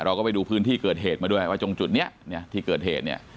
เราก็ไปดูพื้นที่เกิดเหตุมาด้วยว่าตรงจุดนี้เนี่ยที่เกิดเหตุเนี่ย